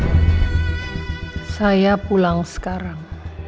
semoga semua penyadap ini bisa ditemukan